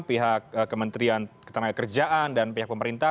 pihak kementerian ketenagakerjaan dan pihak pemerintah